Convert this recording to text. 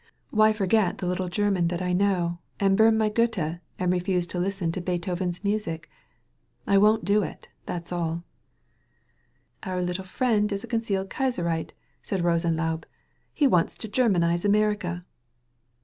Why forget the little German that 145 THE VALLEY OF VISION I know and bum my Goethe and refuse to listen to Beethoven's music? I won't do it» that's aU." "Our little friend is a concealed Kaiserite," said Rosenlaube. "He wants to Germanize America."